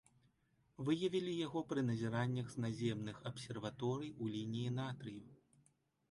Выявілі яго пры назіраннях з наземных абсерваторый у лініі натрыю.